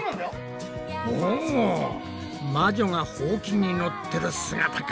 お魔女がほうきに乗ってる姿か。